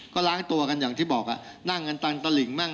ก็ล้างตัวกันอย่างที่บอกนั่งกันตามตะหลิ่งมั่ง